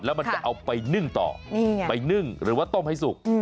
แล้วมันจะเอาไปนึ่งต่อไปนึ่งหรือว่าต้มให้สุก